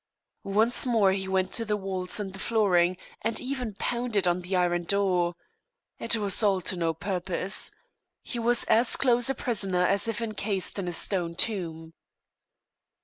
Once more he went over the walls and the flooring, and even pounded on the iron door. It was all to no purpose. He was as close a prisoner as if encased in a stone tomb.